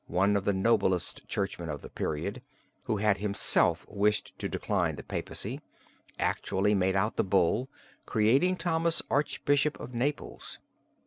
one of the noblest churchmen of the period, who had himself wished to decline the papacy, actually made out the Bull, creating Thomas Archbishop of Naples.